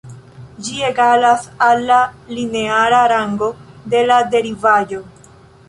Ĝi egalas al la lineara rango de la derivaĵo.